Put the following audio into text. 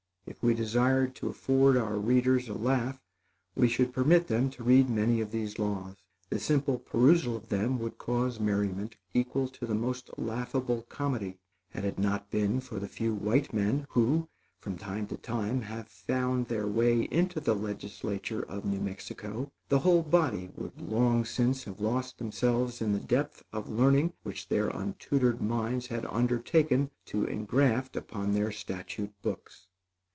If we desired to afford our readers a laugh, we should permit them to read many of these laws. The simple perusal of them would cause merriment equal to the most laughable comedy. Had it not been for the few white men, who, from time to time, have found their way into the legislature of New Mexico, the whole body would long since have lost themselves in the depth of learning which their untutored minds had undertaken to engraft upon their statute books.